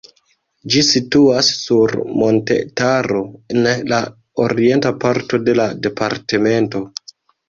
Ĝi situas sur montetaro en la orienta parto de la departemento.